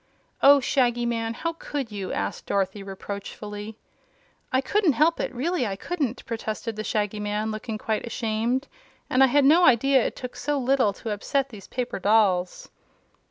"Oh, Shaggy Man! How could you?" asked Dorothy, reproachfully. "I couldn't help it really I couldn't," protested the Shaggy Man, looking quite ashamed. "And I had no idea it took so little to upset these paper dolls."